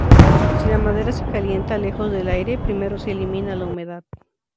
Si la madera se calienta lejos del aire, primero se elimina la humedad.